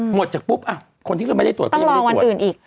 หมดจากปุ๊บคนที่ไม่ได้ตรวจก็ยังไม่ได้ตรวจ